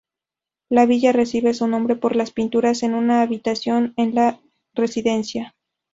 La Villa recibe su nombre por las pinturas en una habitación de la residencia.